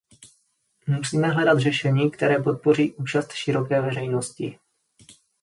Musíme hledat řešení, které podpoří účast široké veřejnosti.